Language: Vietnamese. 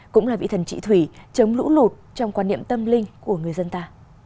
cũng là vị thần trị thủy chống lũ lụt trong quan niệm tâm linh của người dân ta